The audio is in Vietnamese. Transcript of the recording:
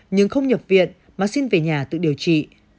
nhưng không nhập viện mà xin về nhà tự điều trị